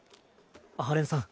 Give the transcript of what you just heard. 阿波連さん